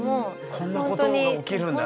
こんなことが起きるんだねって。